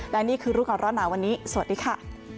และนี่คือรู้ก่อนร้อนหนาวันนี้สวัสดีค่ะ